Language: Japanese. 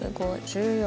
１４